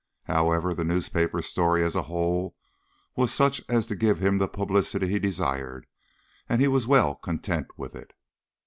However, the newspaper story, as a whole, was such as to give him the publicity he desired, and he was well content with it.